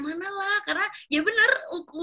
ya benar uliahnya tuh benar benar setengah